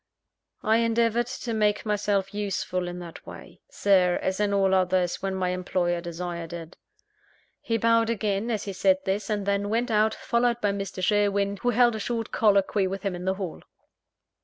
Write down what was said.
"I endeavoured to make myself useful in that way, Sir, as in all others, when my employer desired it." He bowed again, as he said this; and then went out, followed by Mr. Sherwin, who held a short colloquy with him in the hall.